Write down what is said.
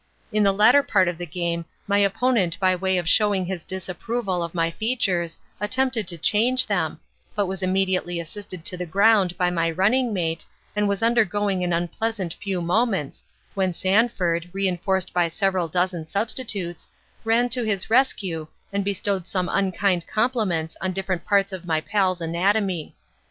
In the latter part of the game my opponent by way of showing his disapproval of my features attempted to change them, but was immediately assisted to the ground by my running mate and was undergoing an unpleasant few moments, when Sanford, reinforced by several dozen substitutes, ran to his rescue and bestowed some unkind compliments on different parts of my pal's anatomy.